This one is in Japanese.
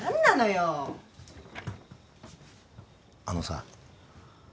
あのさ。